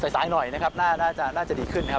สายหน่อยนะครับน่าจะดีขึ้นนะครับ